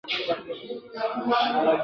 عمرونه کیږي بلبل دي غواړي !.